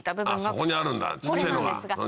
そこにあるんだ小っちゃいのが。